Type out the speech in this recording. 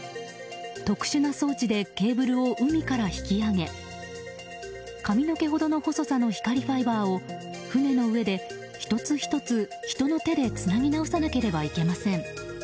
特殊な装置でケーブルを海から引き揚げ髪の毛ほどの細さの光ファイバーを船の上で１つ１つ人の手でつなぎ直さなければなりません。